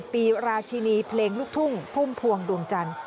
ปีราชินีเพลงลูกทุ่งพุ่มพวงดวงจันทร์